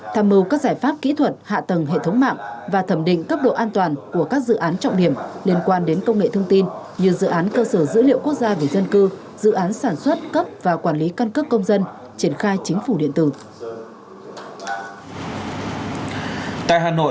tham mưu các giải pháp kỹ thuật hạ tầng hệ thống mạng và thẩm định cấp độ an toàn của các dự án trọng điểm liên quan đến công nghệ thông tin như dự án cơ sở dữ liệu quốc gia về dân cư dự án sản xuất cấp và quản lý căn cước công dân triển khai chính phủ điện tử